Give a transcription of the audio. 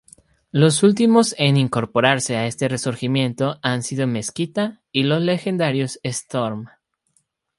Los últimos en incorporarse a este resurgimiento, han sido Mezquita y los legendarios Storm.